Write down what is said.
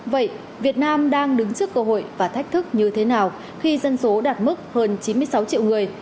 vậy việt nam đang đứng trước cơ hội và thách thức như thế nào khi dân số đạt mức hơn chín mươi sáu triệu người